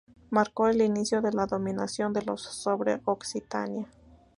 Marcó el inicio de la dominación de los sobre Occitania.